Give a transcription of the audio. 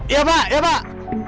iya pak iya pak